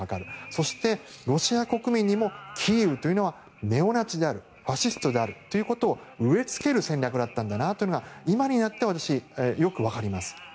そして、ロシア国民にもキーウというのはネオナチであるファシストであるということを植え付ける戦略だったんだなということが今になって私はよく分かります。